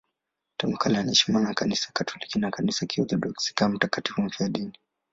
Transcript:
Tangu kale anaheshimiwa na Kanisa Katoliki na Kanisa la Kiorthodoksi kama mtakatifu mfiadini.